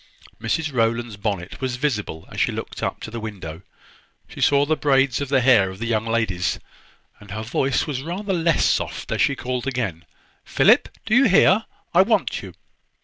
Mrs Rowland's bonnet was visible as she looked up to the window. She saw the braids of the hair of the young ladies, and her voice was rather less soft as she called again, "Philip, do you hear? I want you."